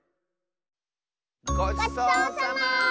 ごちそうさま！